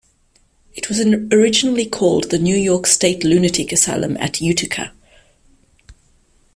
It was originally called the New York State Lunatic Asylum at Utica.